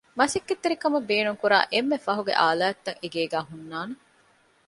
މަސައްކަތްތެރިކަމަށް ބޭނުންކުރާ އެންމެ ފަހުގެ އާލާތްތައް އެގޭގައި ހުންނާނެ